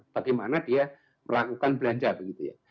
bagaimana dia melakukan belanja begitu ya